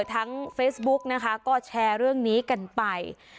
เฟซบุ๊กนะคะก็แชร์เรื่องนี้กันไป